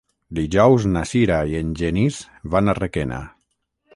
Dijous na Sira i en Genís van a Requena.